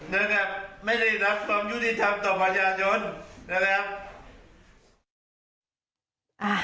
และไม่ได้รับความยุติธรรมต่อประชาชน